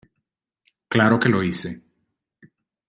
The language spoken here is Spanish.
Claro que lo hice.